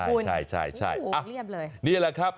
ใช่ใช่ใช่ใช่โอ้โหเรียบเลยนี่แหละครับ